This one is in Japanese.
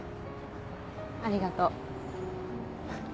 ありがとう。